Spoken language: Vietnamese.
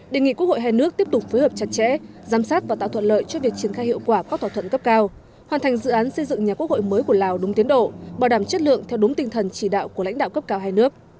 đề nghị quốc hội hai nước tiếp tục phối hợp chặt chẽ giám sát và tạo thuận lợi cho việc triển khai hiệu quả các thỏa thuận cấp cao hoàn thành dự án xây dựng nhà quốc hội mới của lào đúng tiến độ bảo đảm chất lượng theo đúng tinh thần chỉ đạo của lãnh đạo cấp cao hai nước